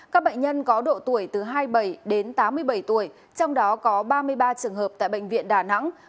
các bệnh nhân có độ tuổi từ hai mươi bảy đến tám mươi bảy tuổi trong đó có ba mươi ba trường hợp tại bệnh viện đà nẵng